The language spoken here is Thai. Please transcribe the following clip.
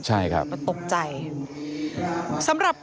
ใช่ครับ